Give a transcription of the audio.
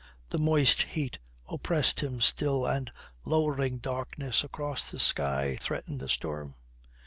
The moist heat oppressed him still and lowering darkness across the sky threatened a storm.